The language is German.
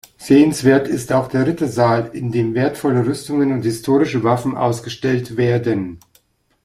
Sehenswert ist auch der Rittersaal, in dem wertvolle Rüstungen und historische Waffen ausgestellt werden.